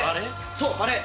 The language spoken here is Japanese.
そうバレエ！